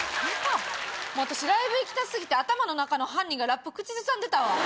私ライブ行きた過ぎて頭の中の犯人がラップを口ずさんでたわ。